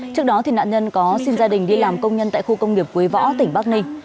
trước đó nạn nhân có xin gia đình đi làm công nhân tại khu công nghiệp quế võ tỉnh bắc ninh